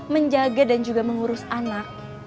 menjaga dan juga mengurus anak